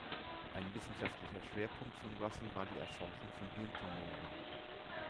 Ein wissenschaftlicher Schwerpunkt von Russell war die Erforschung von Hirntumoren.